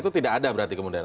itu tidak ada berarti kemudian